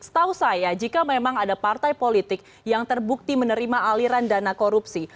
setahu saya jika memang ada partai politik yang terbukti menerima aliran dana korupsi